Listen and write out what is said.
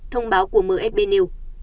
thông báo của msb nêu